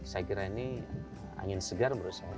saya kira ini angin segar menurut saya